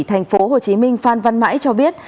thành phố hồ chí minh phan văn mãi cho biết